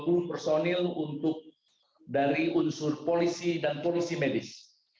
untuk mencari penyelenggaraan dari polisi dan polisi medis